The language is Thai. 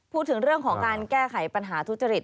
พูดถึงเรื่องของการแก้ไขปัญหาทุจริต